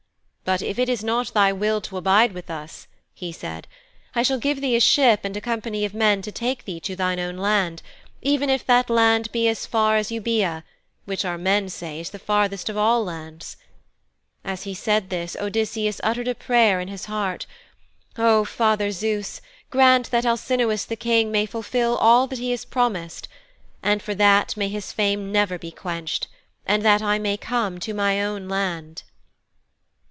'But if it is not thy will to abide with us,' he said, 'I shall give thee a ship and a company of men to take thee to thy own land, even if that land be as far as Eubæa, which, our men say, is the farthest of all lands.' As he said this Odysseus uttered a prayer in his heart, 'O Father Zeus, grant that Alcinous the King may fulfil all that he has promised and for that may his fame never be quenched and that I may come to my own land.'